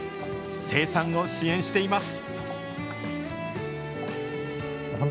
生産を支援しています。